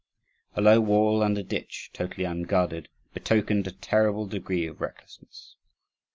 A low wall and a ditch, totally unguarded, betokened a terrible degree of recklessness.